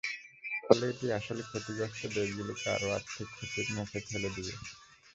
ফলে এটি আসলে ক্ষতিগ্রস্ত দেশগুলোকে আরও আর্থিক ক্ষতির মুখে ঠেলে দেবে।